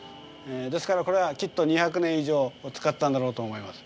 ですからこれはきっと２００年以上使ったんだろうと思います。